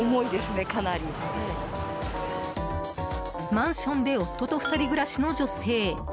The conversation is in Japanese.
マンションで夫と２人暮らしの女性。